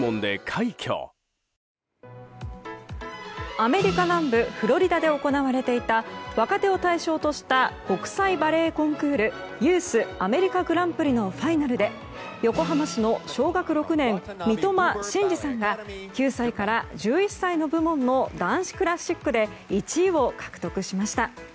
アメリカ南部フロリダで行われていた若手を対象とした国際バレエコンクールユース・アメリカ・グランプリのファイナルで横浜市の小学６年三苫心嗣さんが９歳から１１歳の部門の男子クラシックで１位を獲得しました。